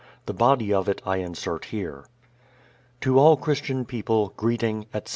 The body of it I insert here. To all Christian people, greeting, etc.